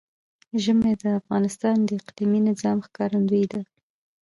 ژمی د افغانستان د اقلیمي نظام ښکارندوی ده.